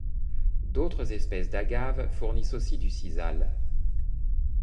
D'autres espèces d'agaves fournissent aussi du sisal.